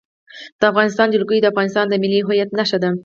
د افغانستان جلکو د افغانستان د ملي هویت نښه ده.